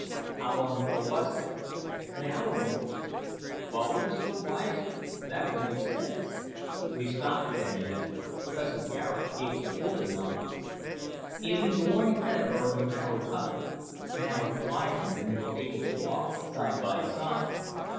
"How long ago was that?" "An hour, maybe." "While we were still rising. That would make sense. We've stopped again, you know. Professor Garet gave us a bulletin on it." He had been going ahead of her in the narrow tunnel. Now it widened and they were able to walk side by side.